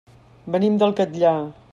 Venim del Catllar.